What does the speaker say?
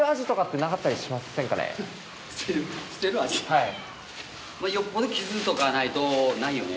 はい。